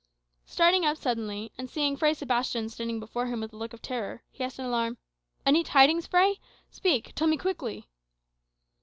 Starting up suddenly, and seeing Fray Sebastian standing before him with a look of terror, he asked in alarm, "Any tidings, Fray? Speak tell me quickly."